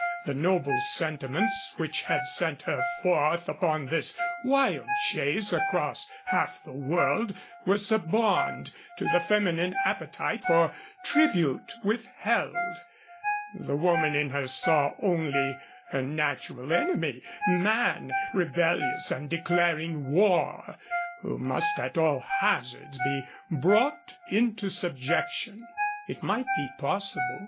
The noble sentiments which had sent her forth upon this wild chase across half the world were suborned to the feminine appetite for tribute withheld. The woman in her saw only her natural enemy, man, rebellious and declaring war, who must at all hazards be brought into subjection. It might be possible.